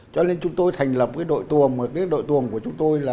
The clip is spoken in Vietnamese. cho nên chúng tôi thành lập đội tuồng và đội tuồng của chúng tôi là